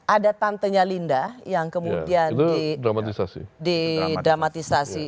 ada tantenya linda yang kemudian didramatisasi